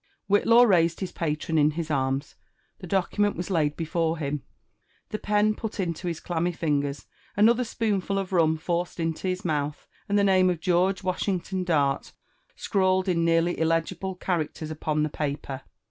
Whitlaw raised his patron in his arms; the document was laid before him, the pen put into his clammy Ongers, another {spoonful of rum forced into his mouth, and the name of George Washington Dart scrawled in nearly illegible characters upon the paper.